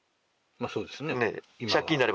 まあそうですね。